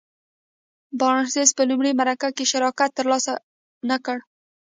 بارنس په لومړۍ مرکه کې شراکت تر لاسه نه کړ.